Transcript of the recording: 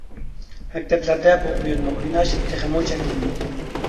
مەكتەپلەردە بۇ ئويۇننى ئويناش تېخىمۇ چەكلىنىدۇ.